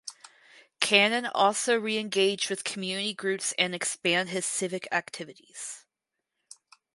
Cannon also reengaged with community groups and expanded his civic activities.